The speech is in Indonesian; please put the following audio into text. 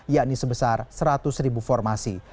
yakni sebesar seratus ribu formasi